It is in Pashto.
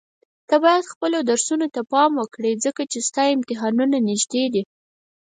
ته بايد خپل درسونو ته پام وکړي ځکه چي ستا امتحانونه نيږدي دي.